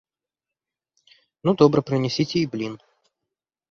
Ну добра, прынясіце і блін.